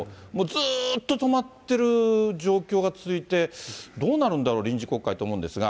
ずっと止まってる状況が続いて、どうなるんだろう、臨時国会と思うんですが。